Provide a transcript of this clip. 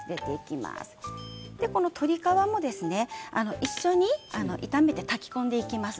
鶏皮も一緒に炒めて炊き込んでいきます。